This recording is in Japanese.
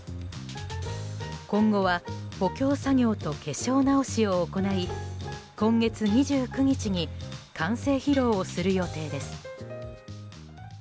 今後は補強作業と化粧直しを行い今月２９日に完成披露をする予定です。